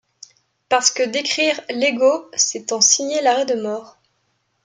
Parce que décrire l’ego, c’est en signer l’arrêt de mort…